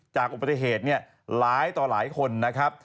จากอุปสรรค์เทศร้ายต่อหลายคนนะครับ